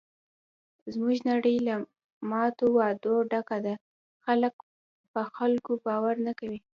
زموږ نړۍ له ماتو وعدو ډکه ده. خلک په خلکو باور نه کوي.